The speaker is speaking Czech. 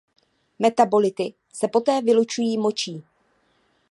Metabolity se poté vylučují močí.